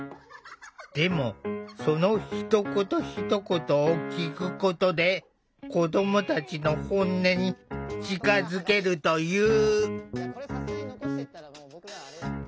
でもそのひと言ひと言を聴くことで子どもたちの本音に近づけるという。